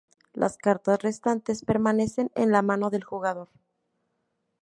Las cartas restantes permanecen en la mano del jugador.